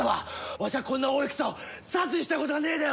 わしゃこんな大戦を指図したことがねえでよ！